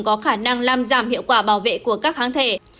có khả năng làm giảm hiệu quả bảo vệ của các kháng thể